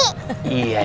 yang paling berharga